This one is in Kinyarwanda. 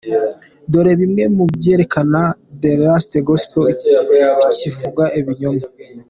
Dore bimwe mu byerekana ko “The Lost Gospel “ kivuga ibinyoma .